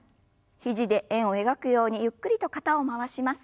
肘で円を描くようにゆっくりと肩を回します。